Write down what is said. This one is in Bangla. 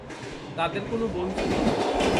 তাদের কোনো বোন ছিল না।